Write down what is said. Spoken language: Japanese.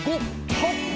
はっ！